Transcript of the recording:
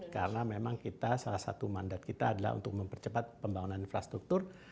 karena memang kita salah satu mandat kita adalah untuk mempercepat pembangunan infrastruktur